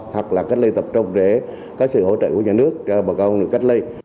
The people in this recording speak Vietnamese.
hoặc là cách ly tập trung để có sự hỗ trợ của nhà nước cho bà con được cách ly